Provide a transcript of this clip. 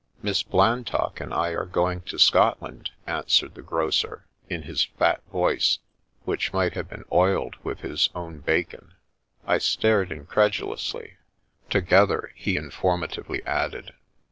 " Miss Blantock and I are going to Scotland," answered the grocer, in his fat voice, which might have been oiled with his own bacon. I stared in credulously. " Together," he informatively added.